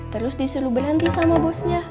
terus disuruh berhenti sama bosnya